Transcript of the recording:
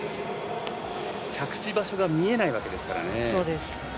着地場所が見えないわけですからね。